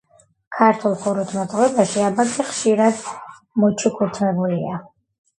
ქართულ ხუროთმოძღვრებაში აბაკი ხშირად მოჩუქურთმებულია.